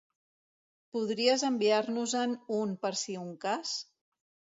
Podries enviar-nos-en un per si un cas?